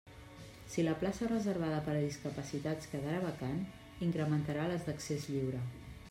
Si la plaça reservada per a discapacitats quedara vacant, incrementarà les d'accés lliure.